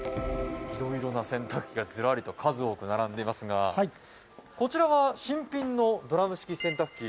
いろいろな洗濯機が並んでいますがこちらは新品のドラム式洗濯機